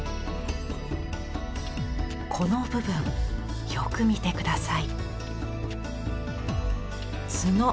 この部分よく見て下さい。